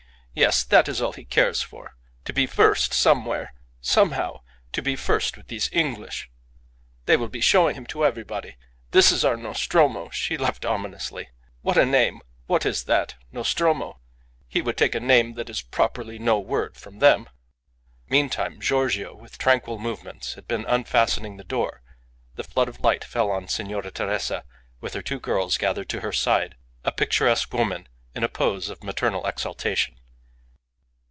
Yes! That is all he cares for. To be first somewhere somehow to be first with these English. They will be showing him to everybody. 'This is our Nostromo!'" She laughed ominously. "What a name! What is that? Nostromo? He would take a name that is properly no word from them." Meantime Giorgio, with tranquil movements, had been unfastening the door; the flood of light fell on Signora Teresa, with her two girls gathered to her side, a picturesque woman in a pose of maternal exaltation.